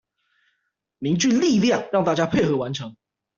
凝聚力量讓大家配合完成